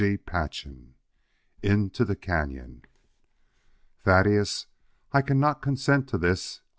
CHAPTER IV INTO THE CANYON "Thaddeus, I cannot consent to this.